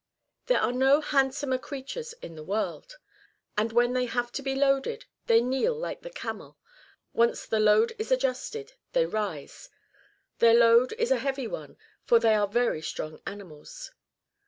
There are no handsomer creatures in the world. And when they have to be loaded, they kneel like the camel ; once the load is adjusted, they rise. Their load is a heavy one, for they are very strong animals.